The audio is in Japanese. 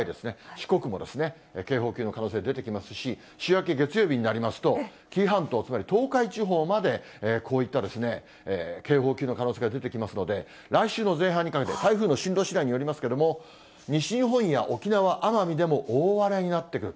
四国もですね、警報級の可能性出てきますし、週明け月曜日になりますと、紀伊半島、つまり東海地方まで、こういった警報級の可能性が出てきますので、来週の前半にかけて、台風の進路しだいによりますけれども、西日本や沖縄・奄美でも、大荒れになってくる。